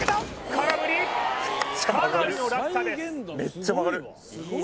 空振りかなりの落差です